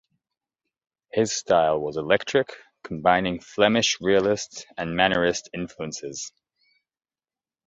His style was eclectic, combining Flemish realist and mannerist influences.